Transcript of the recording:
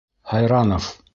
Һайранов.